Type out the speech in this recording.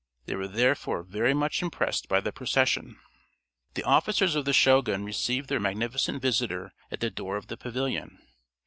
They were therefore very much impressed by the procession. The officers of the Shogun received their magnificent visitor at the door of the pavilion.